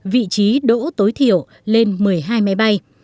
vị trí đỗ tối thiểu lên một mươi hai máy bay